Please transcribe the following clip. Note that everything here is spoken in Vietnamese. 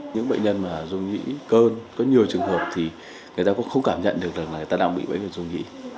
những bệnh nhân mà dung nhĩ cơn có nhiều trường hợp thì người ta cũng không cảm nhận được rằng là người ta đang bị bệnh rung nhĩ